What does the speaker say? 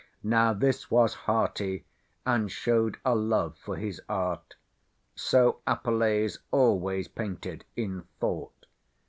Now this was hearty, and showed a love for his art. So Apelles always painted—in thought.